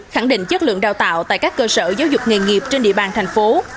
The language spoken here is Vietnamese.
khẳng định chất lượng đào tạo tại các cơ sở giáo dục nghề nghiệp trên địa bàn thành phố